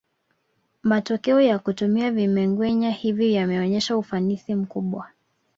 Matokeo ya kutumia vimengenywa hivi yameonyesha ufanisi mkubwa